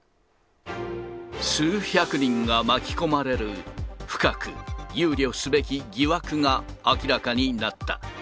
数百人が巻き込まれる、深く憂慮すべき疑惑が明らかになった。